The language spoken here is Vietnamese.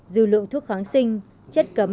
dư lượng thuốc kháng sinh chất cấm